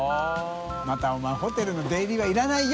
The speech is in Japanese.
泙お前ホテルの出入りはいらないよ。